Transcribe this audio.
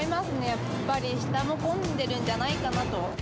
やっぱり下も混んでるんじゃないかなと。